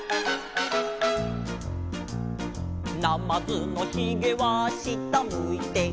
「なまずのひげは下むいて」